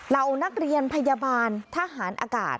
เหล่านักเรียนพยาบาลทหารอากาศ